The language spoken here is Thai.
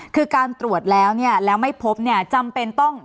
คือการตรวจแล้วเนี่ยแล้วไม่พบเนี่ยจำเป็นต้อง